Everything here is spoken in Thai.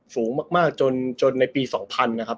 สูงมากจนในปี๒๐๐นะครับ